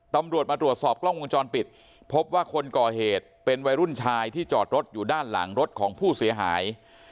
ตำรวจมาตรวจสอบกล้องวงจรปิดพบว่าคนก่อเหตุเป็นวัยรุ่นชายที่จอดรถอยู่ด้านหลังรถของผู้เสียหาย